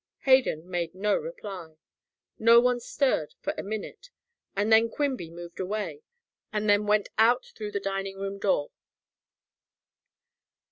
Hayden made no reply. No one stirred for a minute, and then Quimby moved away, and went out through the dining room door.